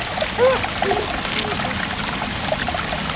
তিনি জোর-জবরদস্তি করে তার শত্রুদের গ্রেট ওয়াল নির্মাণে বাধ্য করেছিলেন!